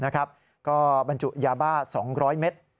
ก็บรรจุยาบ้า๒๐๐เมตร